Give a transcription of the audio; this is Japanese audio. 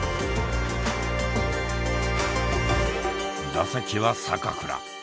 打席は坂倉。